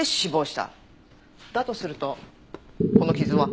だとするとこの傷は？